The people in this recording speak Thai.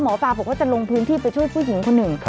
หมอปลาบอกว่าจะลงพื้นที่ไปช่วยผู้หญิงคนหนึ่ง